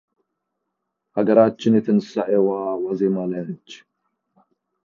ሀገራችን የትንሣኤዋ ዋዜማ ላይ ነች።